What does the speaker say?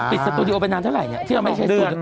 ปิดสตูดิโอเป็นนานเวลาเท่าไรที่ยังไม่ใช่ศึก